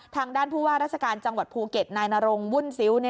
ทางด้านผู้ว่าราชการจังหวัดภูเก็ตนายนรงวุ่นซิ้ว